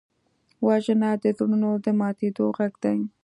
وژنه د زړونو د ماتېدو غږ دی